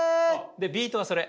でビートはそれ。